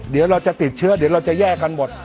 เดี๋ยวเราจะติดเชื้อเดี๋ยวเราจะแยกกันหมด